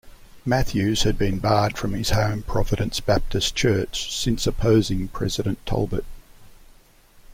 Matthews had been barred from his home Providence Baptist Church since opposing President Tolbert.